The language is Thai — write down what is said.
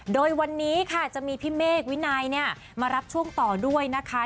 โดยวันนี้ค่ะจะมีพี่เมฆวินัยมารับช่วงต่อด้วยนะคะ